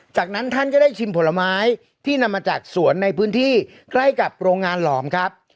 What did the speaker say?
จากนั้นท่านก็ได้ชิมผลไม้ที่นำมาจากสวนในพื้นที่ใกล้กับโรงงานหลอมครับ